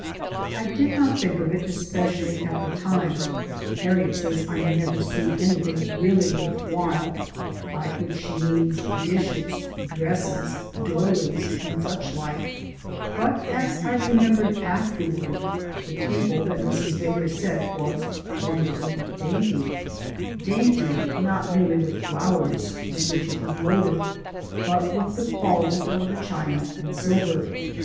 I did not think of it especially at time Harriet says I never see anything really worth while, by which she means dishes, dresses, doilies, and such like but as I remembered afterward the table that Mrs. Vedder set was wonderfully dainty dainty not merely with flowers (with which it was loaded), but with the quality of the china and silver.